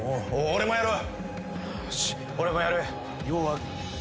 俺もやる。